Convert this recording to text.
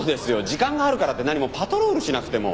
時間があるからって何もパトロールしなくても。